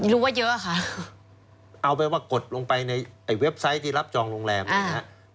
รู้ว่าเยอะค่ะเอาไปว่ากดลงไปในไอ้เว็บไซต์ที่รับจองโรงแรมเนี่ยนะฮะ